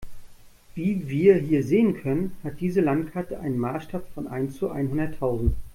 Wie wir hier sehen können, hat diese Landkarte einen Maßstab von eins zu einhunderttausend.